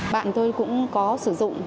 bạn tôi cũng có sử dụng